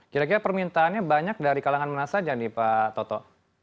kira kira permintaannya banyak dari kalangan mana saja nih pak toto